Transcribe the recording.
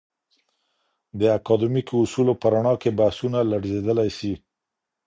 د اکاډمیکو اصولو په رڼا کي بحثونه لړزیدلی سي.